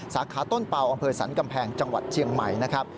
สาขาต้นเป่าอำเภอสันกำแพงจังหวัดเชียงใหม่นะครับ